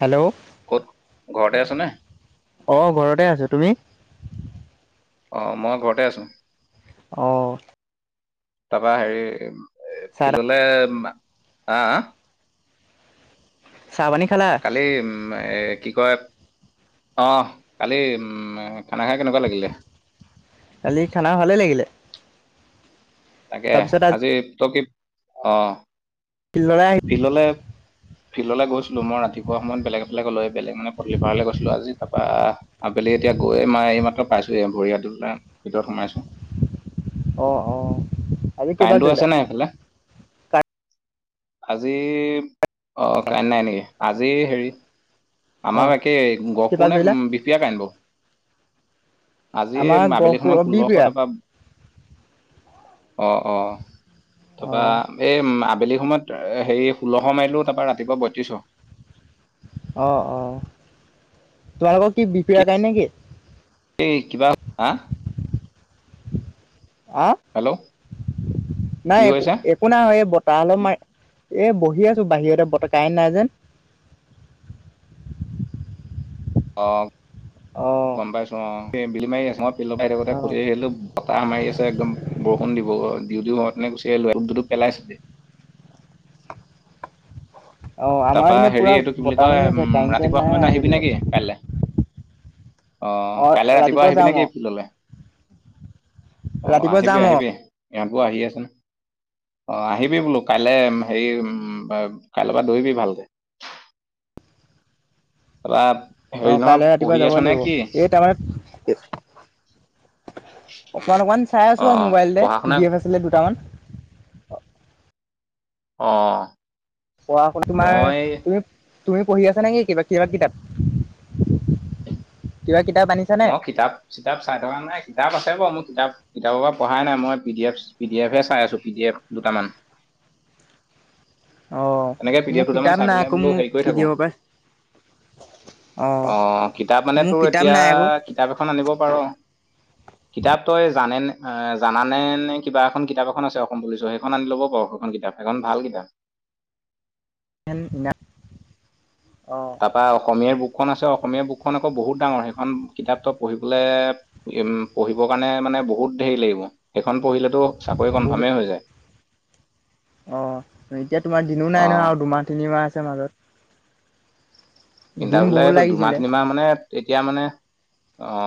Hello ক'ত- ঘৰতে আছ নে? অঁ ঘৰতে আছো তুমি? অঁ মই ঘৰতে আছোঁ। অঁ তাপা হেৰি- চাহ ফিল্ডলে- হা হা? চাহ-পানী খালা? কালি উম্ এ কি কয়- অ', কালি উম্ খানা খাই কেনেকুৱা লাগিলে? কালি খানা ভালেই লাগিলে? তাকে, আজি ত কি- অ'। ফিল্ডলে আহি- ফিল্ললে ফিল্ডলৈ গৈছিলো মই ৰাতিপুৱা সময়ত বেলেগ এফালে গলো এফালে মানে পদুলী পাৰলে গৈছিলো আজি তাপা- আবেলি এতিয়া গৈয়ে মাই এই মাত্ৰ পাইছো হে- ভৰি-হাত ধুই মিনে ভিতৰত সোমাইছো। অঁ অঁ, আজি কেইবাৰ ধইলা? অ খালে আজি- অ কাৰেণ্ট নাই নেকি? আজি হেৰি অ' আমাৰো একে, কেইপাক গহপুৰ নে দৌৰিলা বিফিয়াক আন'ব? আজি আমাৰ আবেলি গহপুৰ সময়ত ষোল্ল শ' বিহপুৰীয়া টকা অ' অ'। তাপা অ' এই আবেলি সময়ত হেৰি ষোল্ল শ' মাৰি দিলো তাপা ৰাতিপুৱা বত্ৰিশ শহ। অ' অ'। তোমালোকৰ কি বিপিয় কাইন নেকি? এই কিবা- হা? আ? হেল্ল' নাই কি একো হৈছে এক নাই এই বতাহ অলপ মা- এই বহি আছো বাহিৰতে বত কাইন নাই যে। অঁ অহ গম পাইছোঁ অঁ, এই বিলি মাৰি ন', ফিল্ডপা আহি থাকোঁতে অ' ঘূৰি আহিলো বতাহ মাৰি আছে একদম বৰষুণ দিব অ' দিওঁ-দিওঁ হওতেনে গুচি আহিলো এটোপ-দুটোপ পেলাইছে যে। অ' আমাৰ তাপা পিনে হেৰি পুৰা এইটো কি বুলি বতাহ মাৰি কয়- আছে উম্ কাৰেণ্ট চাৰেণ্ট ৰাতিপুৱা নাই সময়ত আবেলি আহিবি নেকি, কাইলে? অ' কাইলে ৰাতিপুৱা আহিবি নে কি ফিল্ডলে? অ' ৰাতিপুৱা আহিবি যাম অ' আহিবি, ইহঁতবোৰো আহি আছে না। অ আহিবি বোলো কাইলে হেৰি উম্ কাইল' পা দৌৰিবি ভালকে। তাপা অ' কাইলে ৰাতিপুৱা যাব লাগিব, [unintelligible] অকমান-অকমান চাই আছো অ আউ মোবাইলতে, পঢ়া পি শুনা ডি' এফ আছিলে দুটামান। অ্' পঢ়া হল তোমাৰ- তুমি তুমি পঢ়ি আছা নেকি কিবা কিতাপ কিতাপ? কিবা কিতাপ আনি- মই কিতাপ-চিতাপ চাই থকা নাই কিতাপ আছে বাৰু মোৰ কিতাপ কিতাপৰ পৰা পঢ়াই নাই মই P D F P D এফে চাই আছো পি ডি এফ দুটামান। অ এনেকে পি ডি মোৰ এফ' দুটামান কিতাপ চাই নাই পেলাই আকৌ বোলো মোৰ হেৰি কৰি পি ডি থাকোঁ। এফৰ পৰা অ কিতাপ মানে মোৰ তোৰ কিতাপ এতিয়া নাই আকৌ কিতাপ এখন আনিব পাৰো। [inaudible] কিতাপ তই জানেনে জানানে নে কিবা এখন কিতাপ এখন আছে অসম পুলিচৰ সেইখন আনি ল'ব পাৰো সেইখন কিতাপ। সেই খন ভাল কিতাপ। সেন [inaudible] অঁ বা অসম ইয়াৰ বুকখন আছে অসম ইয়াৰ বুকখন আকৌ বহুত ডাঙৰ সেইখন কিতাপটো পঢ়িবলে। উম পঢ়িবৰ কাৰণে মানে বহুত দেৰি লাগিব সেইখন পঢ়িলেতো চাকৰি বহুত কনফাৰ্মেই হৈ যায়। অ এতিয়া তোমাৰ দিনো অ নাই নহয় আৰু দুমাহ তিনিমাহ আছে মাজত। দিন ইণ্টাৰভিউ লে বহুত টো দুমাহ লাগিছিলে তিনিমাহ মানে এতিয়া মানে। অ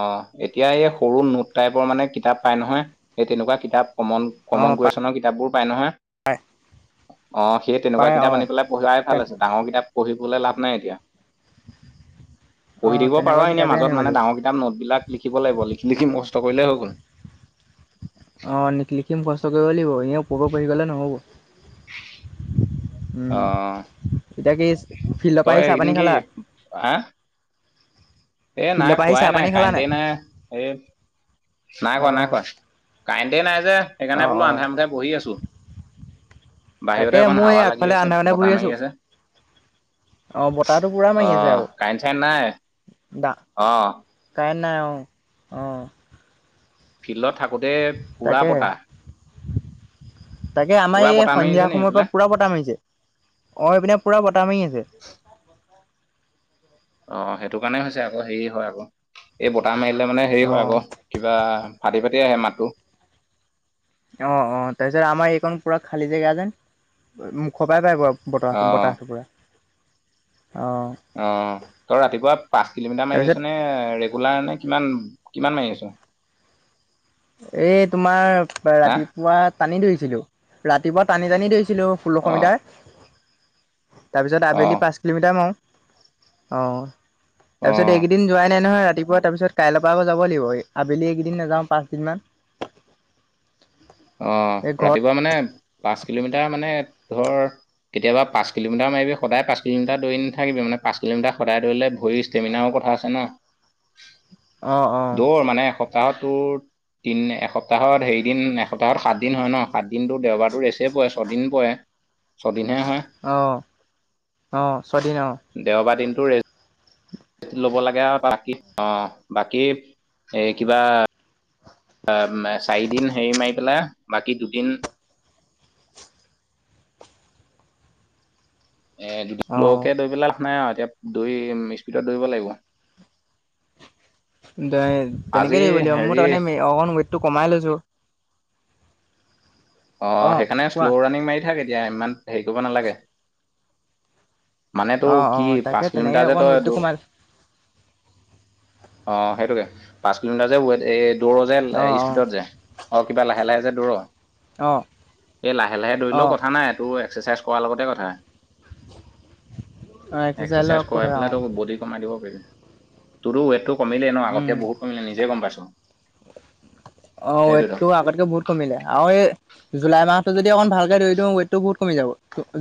এতিয়া এই সৰু নোট টাইপৰ মানে কিতাপ পাই নহয়। এই তেনেকুৱা কিতাপ কমন কমন কূৱেশচনৰ কিতাপবোৰ পায় নহয়। হয়। অ সেই তেনেকুৱা কিতাপ আনি পেলাই পঢ়াই ভাল আছে ডাঙৰ কিতাপ পঢ়িবলৈ লাভ নাই এতিয়া অ পঢ়ি দিব পাৰো তেনেকুৱা এনে কিতাপেই আনিব মাজত মানে লাগিব ডাঙৰ কিতাপ নোটবিলাক লিখিব লাগিব লিখি লিখি মুখস্থ কৰিলে হৈ গ'ল। অ লিখি লিখি মুখস্থ কৰিব লাগিব এনেও ওপৰে ওপৰে পঢ়ি গ'লেও নহ'ব। অ উম এতিয়া কি ফিল্ডৰ পৰা আহি চাহ পানী খালা। আ। এ ফিল্ডৰ নাই পৰা আহি চাহ খোৱাই পানী নাই খালা কাৰেন্টেই নাই এ। নাই খোৱা নাই অ'। খোৱা কাৰেণ্টে নাই যে সেইকাৰণে অ', বোলো অ', আন্ধাৰে মুন্ধাৰে বহি আছো। তাকে বাহিৰতে অকণ মই এই হাৱা লাগি আগফালে আছে আন্ধাৰে আন্ধাৰে বহি বতাহ মাৰি আছোঁ। আছে। অ', বতাহটো পুৰা মাৰি আছে অহ আৰু কাৰেন্ট চাৰেন্ট নাই অ। কাৰেন্ট নাই অ অ। ফিল্ডত থাকোতে। পুৰা তাকে বতাহ তাকে আমাৰ পুৰা এই বতাহ মাৰি সন্ধিয়া আছে নি সময়ৰ সেইফালে পৰা পূৰা বতাহ মাৰিছে। অঁ এইপিনে পুৰা বতাহ মাৰি আছে। অ সেইটো কাৰণে হৈছে আকৌ হেৰি হয় আকৌ এই বতাহ মাৰিলে মানে হেৰি হয় অ', আকৌ। কিবা ফাটি ফাটি আহে মাতটো। অ অ তাৰপিছত আমাৰ এইখন পুৰা খালী জেগা যে মুখৰ পৰাই পাই ব। অ বতাহ বতাহ [inaudible] পুৰা অ। অ তই ৰাতিপুৱা পাঁচ কিলোমিটাৰ মাৰি তাৰপিছত আছ নে ৰে। গুলাৰ নে কিমান কিমান মাৰি আছ। এই তোমাৰ হা ৰাতিপুৱা টানি ধৰিছিলো ৰাতিপুৱা টানি টানি দৰিছিলো। ষোল্লশ অ মিটাৰ তাৰপিছত অ আবেলি পাঁচ। কিলোমিটাৰ মাৰু অঁ তাৰপিছত অ এইকেইদিন। যোৱাই নাই নহয় ৰাতিপোৱা তাৰপিছত কাইৰ পৰা যাব লাগিব আবেলি কেইদিন নাওঁ পা। কিমা। অ ৰাতিপুৱা মানে পাঁচ কিলোমিটাৰ মানে ধৰ। কেতিয়াবা পাচ কিলোমিতাৰ মাৰিবি সদায় পাচ কিলোমিাৰ দৰি নেথাকিব ম। পাঁচ কিলোমিটাৰ সদায় ধৰিলে ভৰিৰ ষ্টেমিনাও কথা আছে ন। অঁ অঁ দৌৰ মানে এসপ। প্তাহট তোৰ দিন এসপ্তাহত হেৰি দিন। সপ্তাহত সাতদিন হয় ন সাতদিনটো দেওবাৰটো ৰেচেই পৰে ছদিন পৰে ছদিনহে হয়। অ অ ছদিন অ। দেওবাৰ দিনটো ৰেচ ল'ব লাগে আৰু বাকী, অ' বাকী, এই কিবা অ' মে চাৰিদিন হেৰি মাৰি পেলাই বাকী দুদিন এ [unintelligible] স্ল' অঁ দৌৰি পেলাই লাভ নাই আৰু এতিয়া দৌৰি, স্পীডত দৌৰিব লাগিব আজি তেনেকে দৌৰিব লাগিব, মোৰ হেৰি তাৰমানে অকণমান ৱেইটো কমাই লৈছো অ' অঁ সেইকাৰণে কোৱা স্ল' ৰাণিং মাৰি থাক এতিয়া। ইমান হেৰি কৰিব নালাগে মানে তোৰ অঁ অঁ কি তাকে পাঁচ তেনেকৈ কিলোমিটাৰ যে অকণ তই ৱেইটটো দৌ কমাই অ' সেইটোকে পাঁচ কিলোমিটাৰ যে ৱেইট এই দৌৰ যে অঁ অঁ স্পীডত যে, আৰু কিবা লাহে লাহে যে দৌৰ অ' এই লাহে লাহে দৌৰিলেও কথা নাই এইটো এক্সাৰচাইজ কৰাৰ লগতে কথা অঁ লগ এক্সাৰচাইজ কথা কৰাই অঁ পেলাইতো বডি কমাই দিব পাৰিবি। তোৰো ৱেটটো কমিলে ন আগতকে বহুত কমিলে নিজে গম পাইছ অ' ৱেটটো আগতকে বহুত কমিলে আৰু এই জুলাই মাহটো যদি অকণমান ভালকৈ দৌৰি দিওঁ, ৱেইটটো বহুত কমি যাব।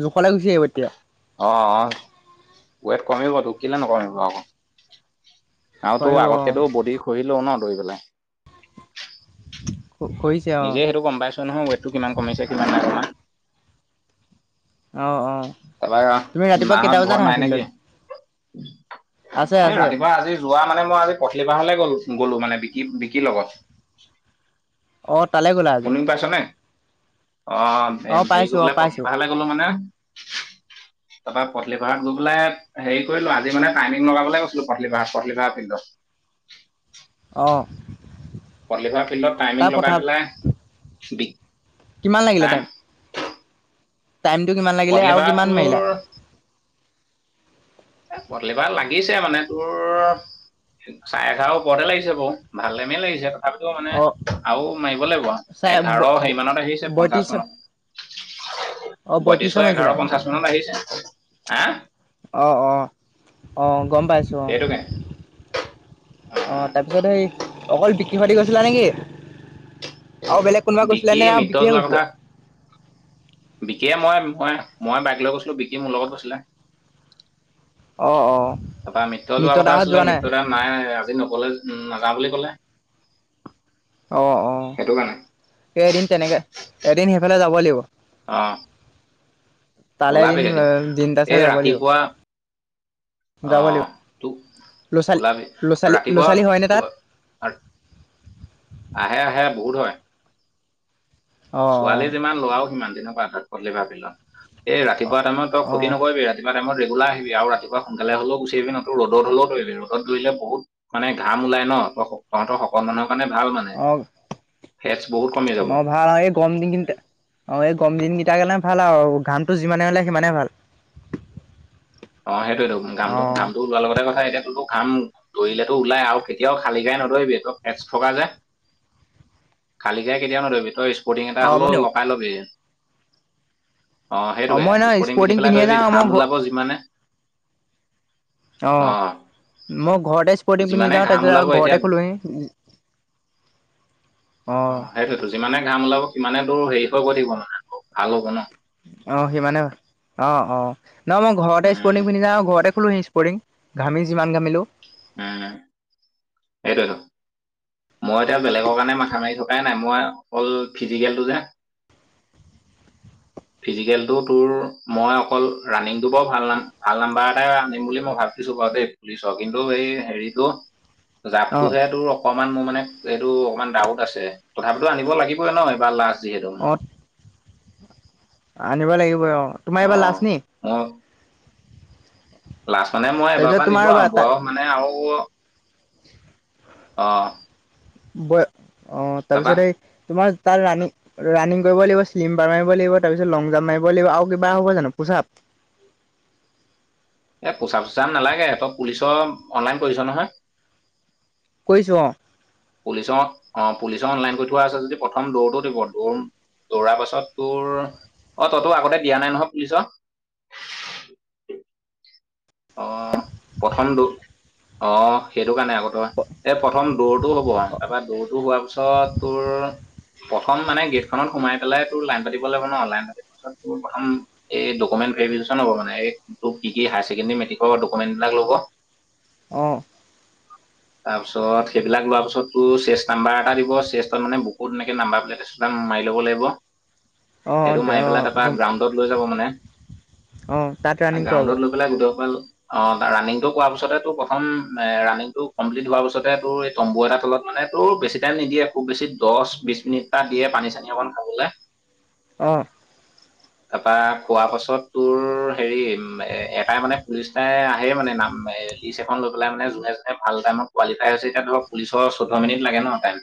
জোখলে গুচি আহিব তেতিয়া। অ' অ' ৱেট কমিবতো কিলে নকমিব আকৌ। আৰু তোৰ কমিব অঁ আগতকেতো বডি [unintelligible] ন দৌৰি পেলাই [unintelligible] নিজেই সেইটো গম পাইছো নহয় ৱেটটো কিমান কমিছে কিমান নাই কমা অ' অ' তাৰপা মাহত ঘৰত নাই নেকি? আছে এই আছে। ৰাতিপুৱা আজি যোৱা মানে মই আজি পথলিবাৰলৈ গ'লো-গ'লো মানে বিকি-বিকিৰ লগত অ তালৈ গ'লা আজি? শুনি পাইছ নে? অ' হেৰি পাইছো অ কৰিবলে পাইছো। কিবাহে লাগে গলো মানে তাৰপা পথলিপাৰাত গৈ পেলাই হেৰি কৰিলো, আজিমানে টাইমিং লগাবলৈ গৈছিলো পথলিপাৰা-পথলিপাৰা ফিল্ডত অ' পথলিপাৰা ফিল্ডত তাৰ টাইমিং পঠা লগাই পেলাই, বি কিমান লাগিলে হা টাইম টাইমটো কিমান লাগিলে পথলি আৰু পাহাৰ কিমান তোৰ মাৰিলা? এ পথলিপাৰাত লাগিছে মানে তোৰ চাৰে এঘাৰৰ ওপৰতে লাগিছে বাৰু, ভাল টাইমেই লাগিছে তথাপিতো মানে অ আৰু মাৰিব লাগিব চাই এঘাৰ হেৰিমানত আহিছে বত্ৰিশ পঞ্চাশ মানত অ বয়ত্ৰিশ বত্ৰিশ এঘাৰ মাৰিছিলা? পঞ্চাশ মানত আহিছে। হা' অ' অ', অ' গম পাইছো অ। সেইটোকে অ' তাৰ পিছত সেই অকল বিকিসৈতে গৈছিলা নেকি? আৰু বেলেগ কোনোবা বিকি গৈছিলে নে মিত্ৰ বিকিহে যোৱাৰ কথা গৈছিলে? বিকিয়ে মই-মই, মই বাইক লৈ গৈছিলো বিকি মোৰ লগত গৈছিলে অ অ তাৰপৰা মৃত জোৱা মিত্ৰ কথা দাহত আছিলে, যোৱা নাই? মৃতৰাম নাই আজি নগলে। নাযায় বুলি ক'লে অ' অ'। সেইটো কাৰণে এই এদিন তেনেকে, এদিন সেইফালে যাব লাগিব অ' তালে এদিন, দিনটা চাই এই যাব লাগিব ৰাতিপুৱা অ যাব লাগিব। তোক ল' ছোৱালী, ওলাবি ল'ৰা ছোৱালী, ল'ৰা ৰাতিপুৱা ছোৱালী হয়নে তাত আহে আহে বহুত হয় ছোৱালী অ', যিমান লৰাও সিমান দিনৰ পৰা আধাত পাত ভাবি লয় এই ৰাতিপুৱা টাইমত তই ক্ষতি অ', নকৰিবি ৰা। তিপোৱা টাইম ৰেগুলাৰ আহিবি পুৱা সোনকালে হলেও গুচি আহিবি ৰদ হলেও আহি ৰদত দৰিলে বহুত। মানে ঘাম ওলাই ন ত তহঁতৰ সকত মানুহ। মানে ভাল মানে অ', অ', ফেটচ বহুত কমি যাব। গম দিন কেইটা অ এই গম দিন কেইটাৰ কাৰণে ভাল আৰু ঘামটো যিমানে ওলাই সিমানে ভাল। অ সেইটোয়েতো ঘামটো অ', ঘামটো লোৱাৰ লগতে কথা এতিয়া তটো ঘাম। দৰিলেতো ওলাই আৰু কেতিয়াও খালি গাই নদৰিবি ত এচ থকা যে। খালি গাই কেতিয়াও নধৰিবি তই স্পৰ্টিং এটা অ', মই হ'লেও লগাই লবি। অ সেইটোকে মই ন স্পৰ্টিং পিন্ধি পেলাই পিন্ধিয়ে দৈবি যাওঁ মই ঘ ঘাম ওলাব যিমানে। অ অঁ মই ঘৰতে স্পৰ্টিং পিনন্ধি যিমানে যাওঁ ঘাম তাৰপিছত ওলাব আৰু এতিয়া ঘৰতে খোলোঁহি। অ সেইটোতো যিমানে ঘাম ওলাব সিমানে দূৰ হেৰি হৈ গৈ ঠাকিব মানে আকৌ ভাল হ'ব ন। অ সিমানে অ অ ন মই ঘৰতে উম স্পুৰ্টং পিন্ধি যাওঁ ঘৰতে। খোলো ইস্পৰ্তিং ঘামি যিমান ঘামিলোঁ। উম সেইটোৱেটো। মই এতিয়া বেলেগৰ কাৰণে মাথা মাৰি থকাই নাই মই অকল ফিজিকেলটো যে। [unintelligible] ফিজিকেলটো তোৰ মই অকল ৰাণিংটো বৰ ভাল নাম ভাল নাম্বাৰ এটাই আনিম বুলি মই ভাব। বিছো বাও দেই পুলিছ কিন্তু এই হেৰিতটো অ', জাপটোহে তোৰ। অকণমান মোৰ মানে এইটো অকণমান ডাউট আছে তথাপিতো আনিব লাগিবই ন এইবাৰ লাষ্ট যিহেতু। অ', আনিব লাগিব অ তোমাৰ এইবাৰ লাষ্ট নি। অ। লাষ্ট মানে মই এবাৰ তাৰপিছত পৰা তোমাৰ নিদিওঁ ৰ'বা আৰু তা বয়স মানে আও। অঁ। বয় অ তাৰপিছত এই তোমাৰ তাৰ ৰাণী। ৰানিং কৰিব লাগিব চিম্বাৰ মাৰিব লাগিব তাৰিছত লং জাম মাৰিব লাগিব আৰু কিবা হ'ব জানো পোচাপ। এ পোচাক চোচাক নালাগে তই পুলিচৰ অনলাইন কৰিছ নহয়। কৰিছোঁ অঁ। পুলিচ অ পুলিচ অনলাইন কৰি থোৱা আছে যদি প্ৰথম দৌৰটো দিব দৌৰ। দৌৰাৰ পাছত তোৰ অ ততো আগতে দিয়া নাই নহয় পুলিচ। অ। খন্দো অ। সেইটো কাৰণে আগ তই এই প্ৰথম দৌৰটো হ'ব তাৰপৰা দৌৰটো হোৱাৰ পিছত তোৰ। প্ৰথম মানে গেটখনত তোমাৰ সোমাই পেলাই টোৰ লাইন পাতিব লাগিব ন লাইন পাতিবলে কোনো অনলা। উম [inaudible] এ ভেৰিকেছন হব মানে তোক কি কি খাই। সেই খিনি মেটিকৰ ডকুমেণ্টবিলাক লব। অঁ। [unintelligible] তাৰ পিছত সেবিক লোৱাৰ পাছত তোৰ চেষ্ট নাম্বাৰ এটা দিব চেষ্টত মানে বুত এনেকে নাম্বাৰ প্লেট। তাম মাৰি ল'ব লাগিব অ' সেইটো মাৰি পেলাই অ' গম তাৰ গ্ৰাউন। তত লৈ যাব মানে অ' তাত ৰানিং কৰাব। গ্ৰাউণ্ডত লৈ পেলাই গোটেই সকল। অ ৰাণনিংটো কৰোৱাৰ পিছতে তোৰ প্ৰথম ৰাণিংটো কমপ্লিট হোৱাৰ পিছতে তোৰ। তম্বু এটা তলত মানে তো বেছি টাইম নিদিয়ে খুব বেছি দহ বিশ মিনিটটা দিয়ে পানী চানী অকমান খা। [unintelligible] অ। তাপা খোৱা পাছত তোৰ হেৰি এ এ। লুষ্টাই আহে মানে, নাম লিষ্ট এখন লৈ পেলাই মানে যোনে, যোনে, ভাল টাইমত কোৱালিফাই হৈছে, এতিয়া ধৰক পুলিচৰ চৈধ্য মিনিট লাগে ন, টাইম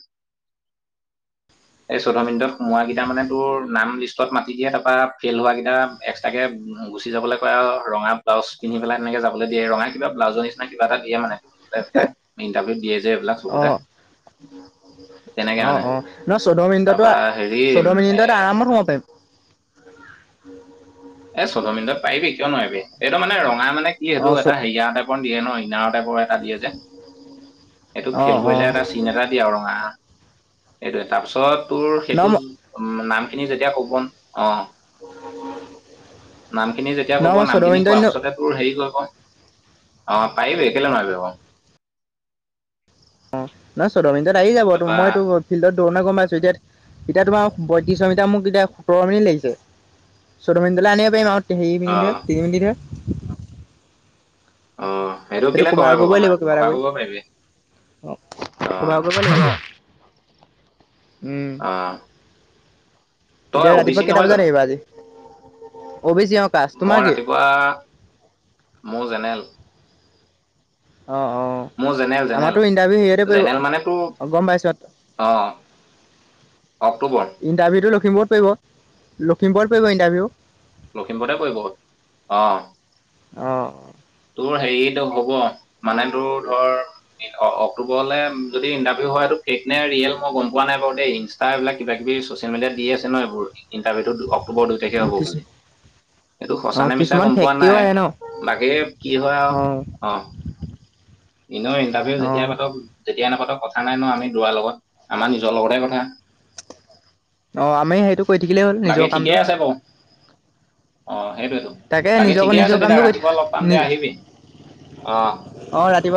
এই চৈধ্য মিনিটত সোমোৱ কেইটা মানে তোৰ, নাম লিষ্টত মাতি দিয়ে, তাৰপৰা ফেইল হোৱা কেইটা এক্সট্ৰাকৈ গুচি যাবলৈ কয়, আৰু ৰঙা চ, পিধি পিন্ধি পালে, এনে যাব দিয়ে, ৰঙা কিবা, বোল্লাওচ নিচিনা কিবা এটা দিয় মানে, পি, তাক পি [inaudible] যে, এইবিলাক বহুতে অ' অ, অ, ন, চৈধ্য মিনিটো, তাৰপা হেৰি চৈধ্য উম, এ মিনিটত, আৰামত সোমব পাৰিম। এ, চৈধ্য মিনিটত পাৰিবি কিয় নোৱাৰিবি, এইটো মানে ৰঙা মানে কি এইটো অ' চ এটা হেৰিয়াাৰ কটাইপৰ দিয়ে ন, ইনাৰ [inaudible] সেইটো ফিল অ' অ' কৰিলেহে তা টিন এটা দে আৰু ৰঙা, সেইটোৱে তাৰপিছত তোৰ নহয় সেইটো মই উম, নামখিনি যেতিয়া ক'ব অ, [unintelligible] নাম খিনি যেতিয়া কব, নহয় মই নাম চৈধ্য খিনি মিনিটত কোৱাৰ এনেও পিছতে তোৰ হেৰি কৰিব, অ, পাৰিবি কেলে নোৱাৰিবি আকৌ। অ, নহয় চৈধ্য মিনিটত আহি যাব, তাৰপা মইতো ফিল্ডত দৌনে গম পাইছো, এতিয়া, এতিয়া তোমাৰ পয়ত্ৰিশ মিটাৰ মোক এতিয়া, সোতৰ মিনিট লাগিছে। চৈধ্য মিনিটলৈ আনিব পাৰিম আৰু হেই অ মিনিটেহে তিনি মিনিট হে। অ, সেইটো কেলে কভাৰ কৰিব কৰিবই লাগিব নোৱাৰিবি, কিবা এটা কভাৰ কৰি কৰিব পাৰিবি। অ, অ ক'বা কৰিব সেইটোৱে নাযায়। উম, অ তই এতিয়া অ বি ৰাতিপুৱা চি কেইটা নহয় বজাত জানো আহিবা আজি? [inaudible] মই কি ৰাতিপুৱা, মোৰ জেনেৰেল। অ, অ, মোৰ জেনেৰেল জেনেৰেল, আমাৰতো ইণ্টাৰভিউ হেৰিয়তে পৰিব জেনেৰেল মানেতো, অ গম পাইছো অ। অক্টোবৰ। ইণ্টাৰভিউটো লখিমপুৰত পৰিব, লখিমপুৰত পৰিব ইণ্টাৰভিউ। লখিমপুৰতে পৰিব অ, অ, তোৰ হেৰিতো হ'ব, মানে তোৰ ধৰ অক্টোবৰলে যদি ইণ্টাৰভিউ হয়টো ফেক নে, ৰিয়েল মই গম পোৱা নাই বাৰু দেই। তাই এইবিলাক কিবা, কিবি ছচিয়েল মডিয়াত দি আছে ন, এইবোৰ ইটাৰভিও টো অক্টোবৰ দুই তাৰিখে হ'ব কিছু বুলি, এইটো অ সঁচানে মিছা কিছুমান গম পোৱা ফেক্টৰীও নাই, আহে ন বাকী কি হয়, অ আৰু অ, এনেও ইণ্টাৰভিউ অ যেতিয়া পাতক, যেতিয়া নাপাতক কথা নাই ন, আমি দৌৰা লগত, আমাৰ নিজৰ লগতহে কথা। [unintelligible] অ, আমি সেইটো কৰি থাকিলেই হ'ল, বাকী নিজৰ ঠিকেই কামটো। আছে বাৰু অ, সেইটোতো তাকে বাকী নিজক ঠিকে আছে নিজৰ দে, কামটো কৰি থাক। ৰাতিপুৱা লগ পাম দে, আহিবি। অ, অ, ৰাতিপুৱা